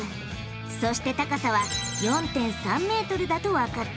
そして高さは４．３ｍだとわかった。